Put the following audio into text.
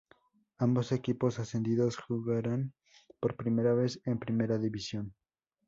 Ambos equipos ascendidos jugarán por primera vez en Primera División.